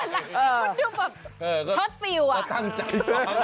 คุณดูแบบชอตฟิลล์อะก็ตั้งใจเลย